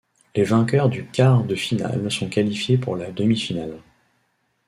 Les vainqueurs du quart de finale sont qualifiés pour la demi finale.